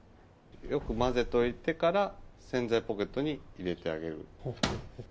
よく混ぜておいてから洗剤ポケットに入れてあげる。